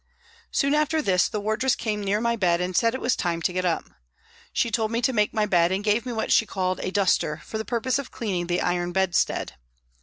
Soon after this the wardress came near my bed and said it was time to get up. She told me to make my bed and gave me what she called a duster for the purpose of cleaning the iron bedstead.